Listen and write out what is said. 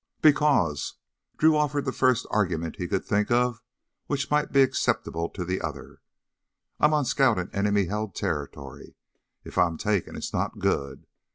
"Because," Drew offered the first argument he could think of which might be acceptable to the other, "I'm on scout in enemy held territory. If I'm taken, it's not good.